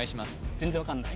全然分かんない？